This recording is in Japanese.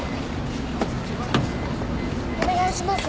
お願いします。